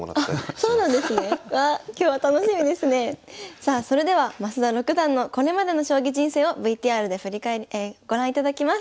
さあそれでは増田六段のこれまでの将棋人生をＶＴＲでご覧いただきます。